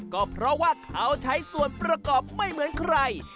ก็เพราะว่าเขาใช้ส่วนประกอบไม่เหมือนใคร